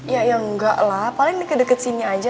ya ya enggak lah paling deket deket sini aja